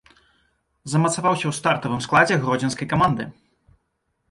Замацаваўся ў стартавым складзе гродзенскай каманды.